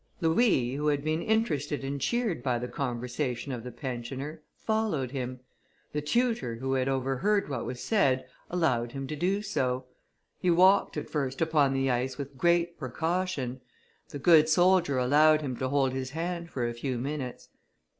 Louis, who had been interested and cheered by the conversation of the pensioner, followed him. The tutor, who had overheard what was said, allowed him to do so. He walked at first upon the ice with great precaution; the good soldier allowed him to hold his hand for a few minutes.